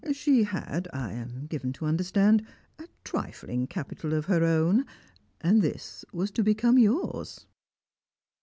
She had, I am given to understand, a trifling capital of her own, and this was to become yours."